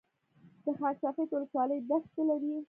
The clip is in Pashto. د خاک سفید ولسوالۍ دښتې لري